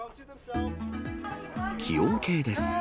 気温計です。